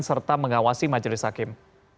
serta mengawasi majelis hakim